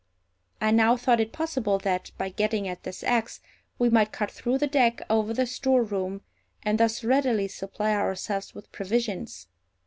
I now thought it possible that, by getting at this axe, we might cut through the deck over the storeroom, and thus readily supply ourselves with provisions.